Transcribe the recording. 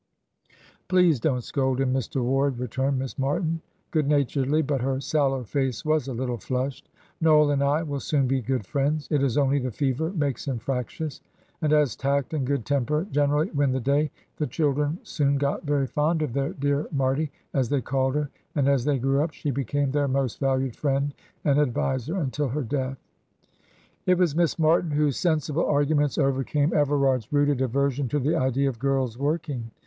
"Please don't scold him, Mr. Ward," returned Miss Martin, good naturedly; but her sallow face was a little flushed. "Noel and I will soon be good friends; it is only the fever makes him fractious." And as tact and good temper generally win the day, the children soon got very fond of their dear Marty, as they called her; and as they grew up she became their most valued friend and adviser until her death. It was Miss Martin whose sensible arguments overcame Everard's rooted aversion to the idea of his girls working.